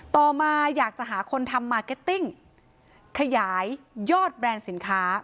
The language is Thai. ต่อมาอยากจะหาคนทำมาร์เก็ตติ้งขยายยอดแบรนด์สินค้า